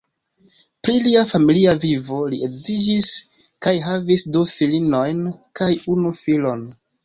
Pri lia familia vivo: li edziĝis kaj havis du filinojn kaj unu filon.